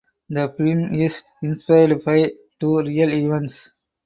The film is inspired by two real events.